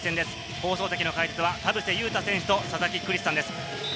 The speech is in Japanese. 放送席の解説は田臥勇太選手と佐々木クリスさんです。